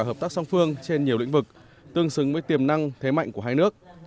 hợp tác song phương trên nhiều lĩnh vực tương xứng với tiềm năng thế mạnh của hai nước